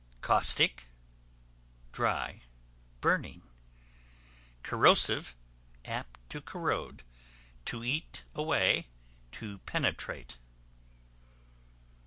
Caustic, dry, burning. Corrosive, apt to corrode, to eat away, to penetrate.